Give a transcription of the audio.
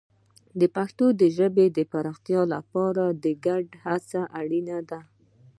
د پښتو ژبې د پراختیا لپاره ګډه هڅه اړینه ده.